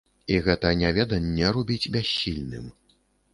І гэта няведанне робіць бяссільным.